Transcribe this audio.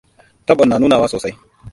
Tabon na nunawa sosai.